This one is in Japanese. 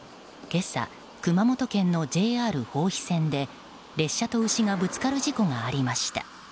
今朝、熊本県のＪＲ豊肥線で列車と牛がぶつかる事故がありました。